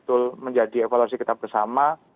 betul menjadi evaluasi kita bersama